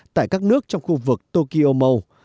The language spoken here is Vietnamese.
tại các nước trong khu vực tokyo mall